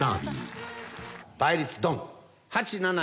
「倍率ドン」